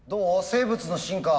生物の進化。